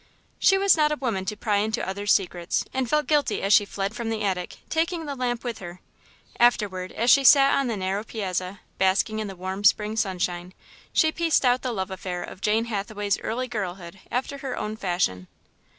She was not a woman to pry into others' secrets, and felt guilty as she fled from the attic, taking the lamp with her. Afterward, as she sat on the narrow piazza, basking in the warm Spring sunshine, she pieced out the love affair of Jane Hathaway's early girlhood after her own fashion.